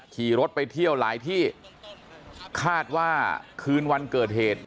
ขี่รถไปเที่ยวหลายที่คาดว่าคืนวันเกิดเหตุ